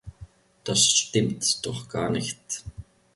Das stimmt doch gar nicht!